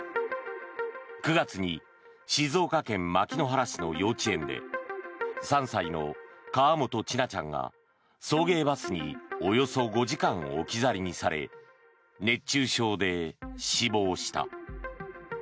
９月に静岡県牧之原市の幼稚園で３歳の河本千奈ちゃんが送迎バスにおよそ５時間置き去りにされ熱中症で死亡した。